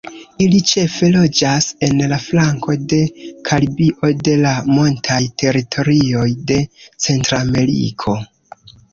Ili ĉefe loĝas en la flanko de Karibio de la montaj teritorioj de Centrameriko.